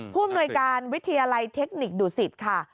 ผู้อำนวยการวิทยาลัยเทคนิคดุสิตค่ะ